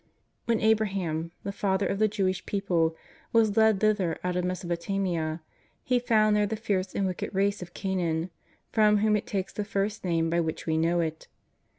When Abraham, the father of the Jewish people, was led thither out of Mesopotamia, he found there the fierce and wicked race of Canaan, from whom it takes the first name by which we know it.